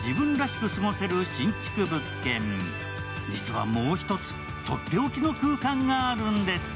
実はもう１つ、とっておきの空間があるんです。